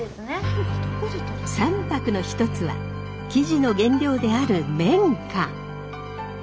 三白の一つは生地の原料である綿花。